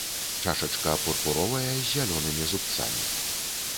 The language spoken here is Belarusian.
Чашачка пурпуровая з зялёнымі зубцамі.